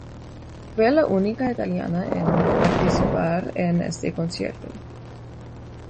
Fue la única italiana en participar en este concierto.